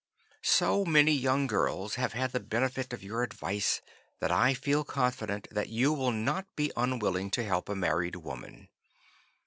"So many young girls have had the benefit of your advice that I feel confident that you will not be unwilling to help a married woman.